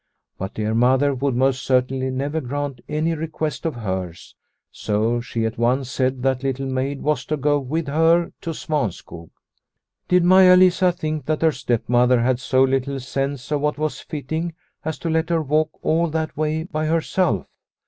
But dear Mother would most certainly never grant any request of hers, so she at once said that Little Maid was to go with her to Svanskog. Did Maia Lisa think that her stepmother had so little sense of what was fitting as to let her walk all that way by herself